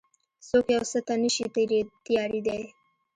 څوک يو څه ته نه شي تيارېدای.